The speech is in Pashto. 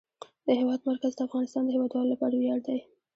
د هېواد مرکز د افغانستان د هیوادوالو لپاره ویاړ دی.